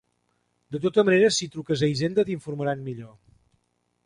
De tota manera, si truques a Hisenda t'informaran millor.